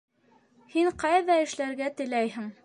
Һин ҡайҙа эшләргә теләйһең?